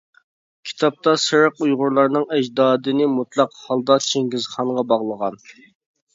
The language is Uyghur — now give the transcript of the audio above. كىتابتا سېرىق ئۇيغۇرلارنىڭ ئەجدادىنى مۇتلەق ھالدا چىڭگىزخانغا باغلىغان.